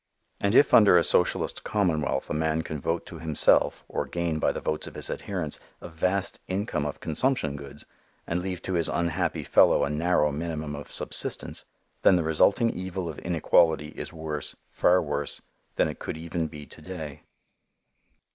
And if under a socialist commonwealth a man can vote to himself or gain by the votes of his adherents, a vast income of consumption goods and leave to his unhappy fellow a narrow minimum of subsistence, then the resulting evil of inequality is worse, far worse than it could even be to day.